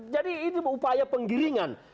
jadi ini upaya penggiringan